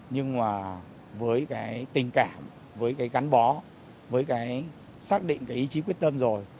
nhưng mà với cái tình cảm với cái gắn bó với cái xác định cái ý chí quyết tâm rồi